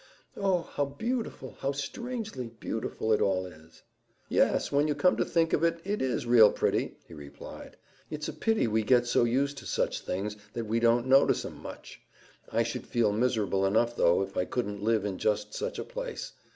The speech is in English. "Oh, how beautiful, how strangely beautiful it all is!" "Yes, when you come to think of it, it is real pretty," he replied. "It's a pity we get so used to such things that we don't notice 'em much. I should feel miserable enough, though, if I couldn't live in just such a place.